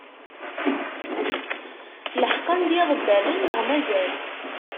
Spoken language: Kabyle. Leḥqen-d yiḍebbalen, neɣ mazal?